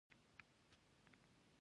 دا امکان د هر هغه چا لپاره پروت دی.